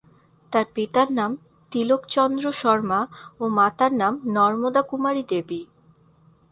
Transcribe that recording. তার পিতার নাম তিলক চন্দ্র শর্মা ও মাতার নাম নর্মদা কুমারী দেবী।